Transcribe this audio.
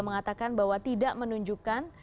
mengatakan bahwa tidak menunjukkan